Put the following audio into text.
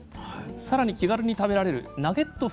さらに気軽に食べられるナゲット風。